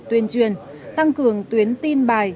tuyên truyền tăng cường tuyến tin bài